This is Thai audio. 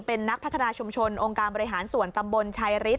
เป็นนักพัฒนาชุมชนองค์การบริหารส่วนตำบลชายฤทธ